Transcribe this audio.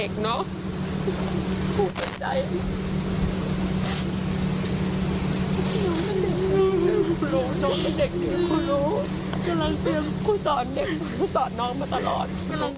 กำลังเตรียมข้อสอนเด็กของข้อสอนน้องมาตลอด